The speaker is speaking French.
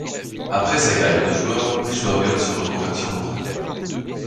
Après sa carrière de joueur, Rijsbergen se reconvertit en entraîneur.